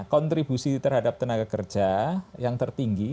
kontribusi terhadap tenaga kerja yang tertinggi